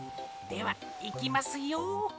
ではいきますよ。